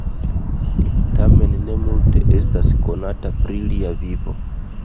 Tamen ne multe estas konata pri lia vivo.